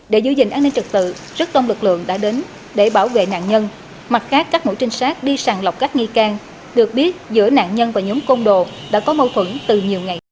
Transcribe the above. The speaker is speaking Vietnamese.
để giữ gìn an ninh trật tự rất đông lực lượng đã đến để bảo vệ nạn nhân mặt khác các mũi trinh sát đi sàng lọc các nghi can được biết giữa nạn nhân và nhóm côn đồ đã có mâu thuẫn từ nhiều ngày